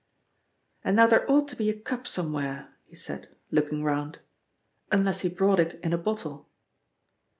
"And now there ought to be a cup somewhere," he said, looking round, "unless he brought it in a bottle."